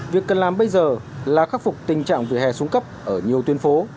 việc cần làm bây giờ là khắc phục tình trạng vỉa hè xuống cấp ở nhiều tuyến phố